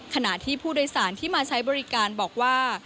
ขณะที่ผู้โดยสารที่มาใช้บริการบอกว่า